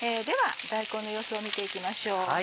では大根の様子を見て行きましょう。